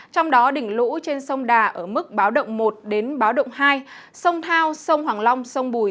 trong đó đỉnh lũ trên sông đà ở mức báo động một đến báo động hai sông thao sông hoàng long sông bùi